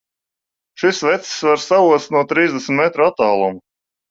Šis vecis var saost no trīsdesmit metru attāluma!